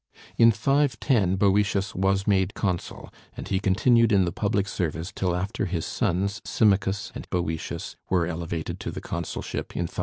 In 510 Boëtius was made consul, and he continued in the public service till after his sons Symmachus and Boëtius were elevated to the consulship in 522.